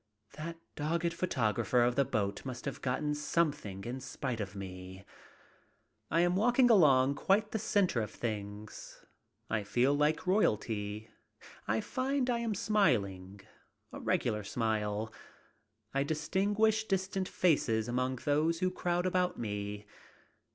That dogged photographer of the boat must have gotten something in spite of me. I am walking along quite the center of things. I feel like royalty. I find I am smiling. A regular smile. I distinguish distant faces among those who crowd about me.